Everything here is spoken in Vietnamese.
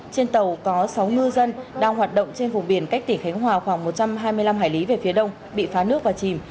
trên tàu có sáu ngư dân đang hoạt động trên vùng biển cách tỉnh khánh hòa khoảng một trăm hai mươi năm hải lý về phía đông bị phá nước và chìm